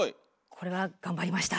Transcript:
これは頑張りました。